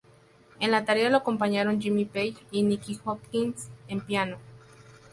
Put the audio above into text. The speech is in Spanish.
En la tarea lo acompañaron Jimmy Page y Nicky Hopkins en piano.